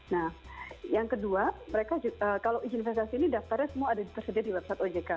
nah yang kedua mereka kalau izin investasi ini daftarnya semua ada tersedia di website ojk